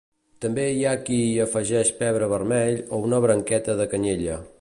També hi ha qui hi afegeix pebre vermell o una branqueta de canyella.